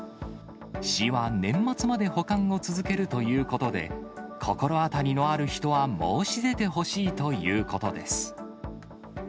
市は年末まで保管を続けるということで、心当たりのある人は申し出てほしいということです。